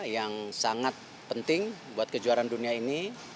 yang sangat penting buat kejuaraan dunia ini